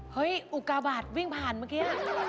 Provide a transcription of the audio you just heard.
อุกาบาทวิ่งผ่านเมื่อกี้